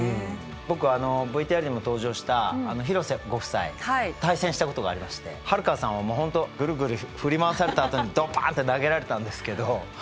僕ＶＴＲにも登場した廣瀬ご夫妻対戦したことがありまして悠さんはもう本当グルグル振り回されたあとにどかんって投げられたんですけど。